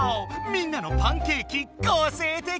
みんなのパンケーキ個性的！